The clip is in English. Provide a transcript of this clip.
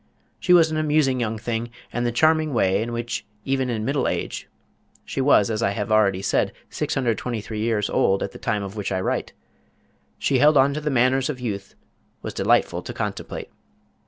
She was an amusing young thing, and the charming way in which even in middle age she was as I have already said 623 years old at the time of which I write she held on to the manners of youth was delightful to contemplate.